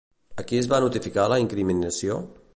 A qui es va notificar la incriminació?